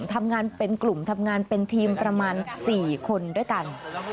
ทำงานเป็นกลุ่มทำงานเป็นทีมประมาณ๔คนด้วยกัน